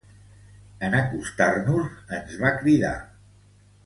En acostar-nos ens va cridar.